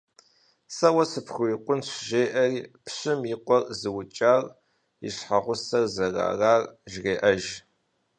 Сэ уэ сыпхурикъунщ жеӀэри, пщым и къуэр зыукӀар и щхьэгъусэр зэрыарар жреӀэж.